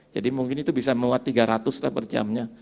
mungkin itu bisa menguat tiga ratus lah per jamnya